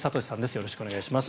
よろしくお願いします。